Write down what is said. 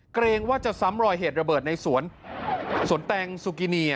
เกรงว่าจะซ้ำรอยเหตุระเบิดในสวนแตงซูกินี